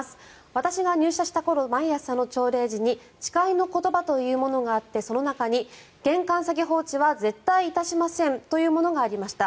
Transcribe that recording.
私が入社した頃、毎朝の朝礼に誓いの言葉というものがあってその中に玄関先放置は絶対いたしませんというものがありました。